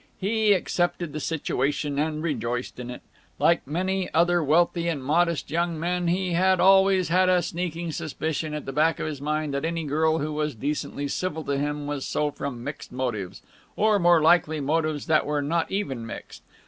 He accepted the situation and rejoiced in it. Like many other wealthy and modest young men, he had always had a sneaking suspicion at the back of his mind that any girl who was decently civil to him was so from mixed motives or, more likely, motives that were not even mixed.